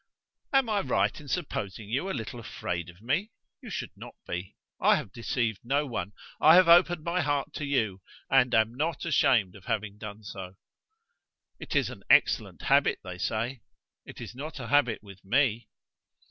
"Am I right in supposing you a little afraid of me? You should not be. I have deceived no one. I have opened my heart to you, and am not ashamed of having done so." "It is an excellent habit, they say." "It is not a habit with me."